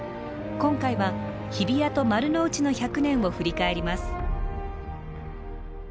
今回は日比谷と丸の内の１００年を振り返ります。